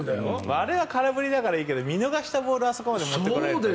あれは空振りだからいいけど見逃したのまであそこまで持ってこられるとね。